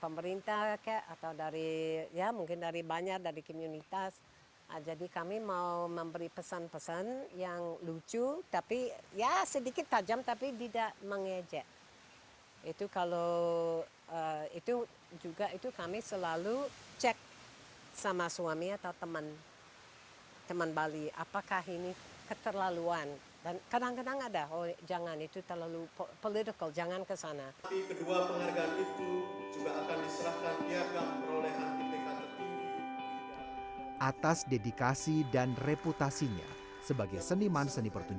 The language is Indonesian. memadukan seni gamelan tersebut